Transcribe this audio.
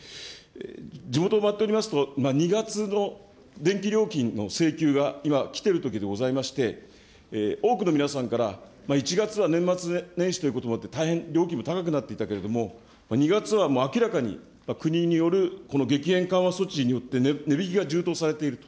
地元を回っておりますと、２月の電気料金の請求が今、来ているときでございまして、多くの皆さんから、１月は年末年始ということもあって、大変料金も高くなっていたけれども、２月は明らかに国による激変緩和措置によって値引きが充当されていると。